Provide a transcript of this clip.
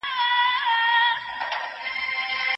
په سيمه مو مه وېشئ.